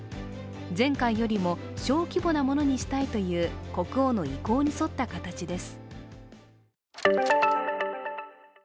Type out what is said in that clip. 前回よりも小規模なものにしたいという国王の意向に沿った形です。